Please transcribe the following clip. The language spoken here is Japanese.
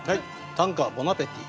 「短歌ボナペティ」。